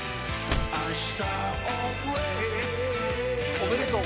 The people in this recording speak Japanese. おめでとう。